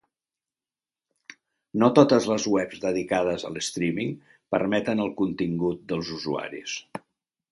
No totes les webs dedicades a l'streaming permeten el contingut dels usuaris.